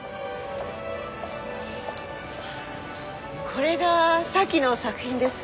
これが沙希の作品です。